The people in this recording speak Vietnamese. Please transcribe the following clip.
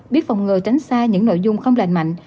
biết phòng ngừa tránh xa những nội dung không lành mạnh